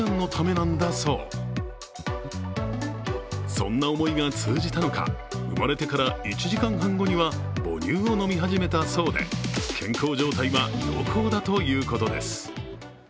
そんな思いが通じたのか生まれてから１時間半後には母乳を飲み始めたそうで、健康状態は良好だということです。